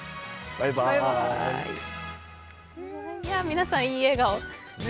皆さん、いい笑顔。